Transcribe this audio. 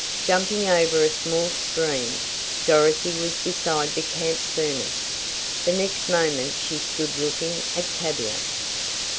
Jumping over a small stream, Dorothy was beside the camp furnace. The next moment she stood looking at Tavia!